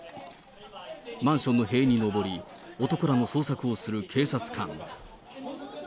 マンションの塀に上り、男らの捜索をする警察官。